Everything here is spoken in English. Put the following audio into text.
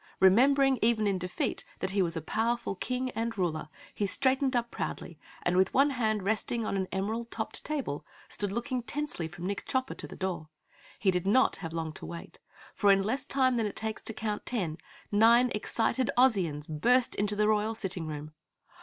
Remembering, even in defeat, that he was a powerful King and Ruler, he straightened up proudly and, with one hand resting on an emerald topped table, stood looking tensely from Nick Chopper to the door. He did not have long to wait, for in less time than it takes to count ten, nine excited Ozians burst into the Royal Sitting room.